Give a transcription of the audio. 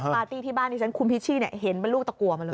ปาร์ตี้ที่บ้านที่ฉันคุณพิชชี่เห็นเป็นลูกตะกัวมาเลย